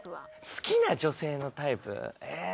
好きな女性のタイプ？ええー